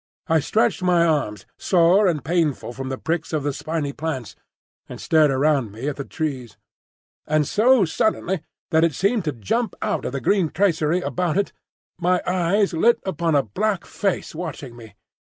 I stretched my limbs, sore and painful from the pricks of the spiny plants, and stared around me at the trees; and, so suddenly that it seemed to jump out of the green tracery about it, my eyes lit upon a black face watching me.